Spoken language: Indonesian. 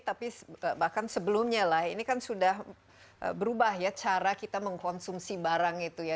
tapi bahkan sebelumnya lah ini kan sudah berubah ya cara kita mengkonsumsi barang itu ya